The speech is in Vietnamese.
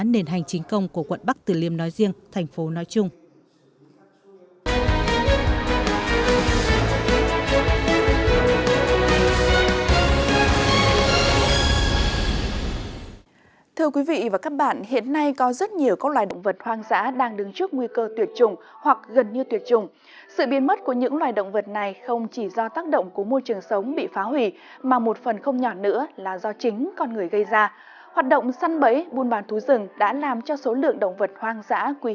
nền hành chính công của quận bắc từ liêm nói riêng thành phố nói chung